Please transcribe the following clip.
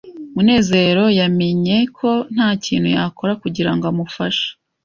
Munezero yamenye ko ntakintu yakora kugirango amufashe.